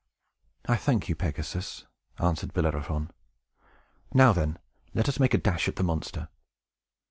"I thank you, Pegasus," answered Bellerophon. "Now, then, let us make a dash at the monster!"